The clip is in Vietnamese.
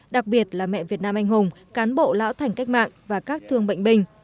đặc biệt là mẹ việt nam anh hùng cán bộ lão thành cách mạng và các thương bệnh binh